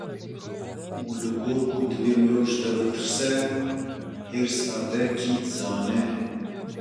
Û li gor ku divê mirov ji te bitirse, hêrsa te kî dizane?